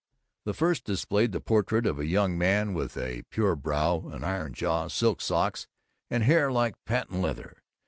The first displayed the portrait of a young man with a pure brow, an iron jaw, silk socks, and hair like patent leather.